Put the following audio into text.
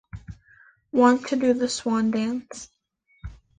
Want to do the swan dance.